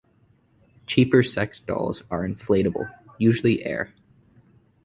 Cheaper sex dolls are inflatable, using air.